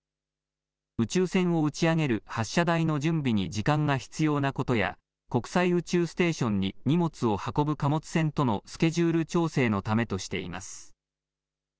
宇宙船を打ち上げる発射台の準備に時間が必要なことや国際宇宙ステーションに荷物を運ぶ貨物船とのスケジュール調整のためとしています。